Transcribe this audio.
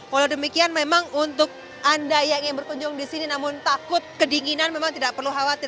walau demikian memang untuk anda yang ingin berkunjung di sini namun takut kedinginan memang tidak perlu khawatir